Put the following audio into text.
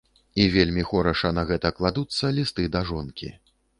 І вельмі хораша на гэта кладуцца лісты да жонкі.